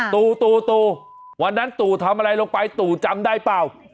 ตู่วันนั้นตู่ทำอะไรลงไปตู่จำได้เปล่า